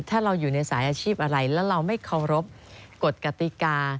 ถ้าเราอยู่ในสายอาชีพอะไรแล้วเราไม่เคารพกฎกติกา